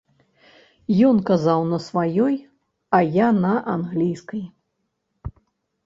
Ён казаў на сваёй, а я на англійскай.